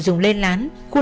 trứ bỏ lên rừng sống